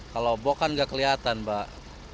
kalau bok kan nggak kelihatan mbak